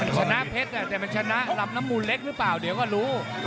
ชนะเพชรแต่มันชนะลำน้ำมูลเล็กหรือเปล่าเดี๋ยวก็รู้